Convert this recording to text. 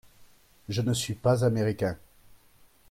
Je ne suis pas américain.